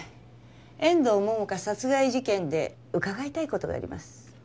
遠藤桃花殺害事件で伺いたい事があります。